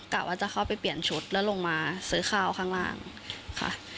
กะว่าจะเข้าไปเปลี่ยนชุดแล้วลงมาซื้อข้าวข้างล่างค่ะ